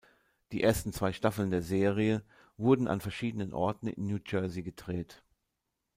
Die ersten zwei Staffeln der Serie wurden an verschiedenen Orten in New Jersey gedreht.